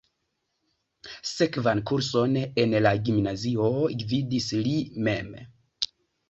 Sekvan kurson en la gimnazio gvidis li mem.